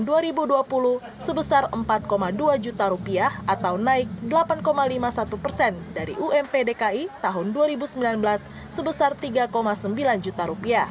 tahun dua ribu dua puluh sebesar rp empat dua juta atau naik delapan lima puluh satu persen dari ump dki tahun dua ribu sembilan belas sebesar rp tiga sembilan juta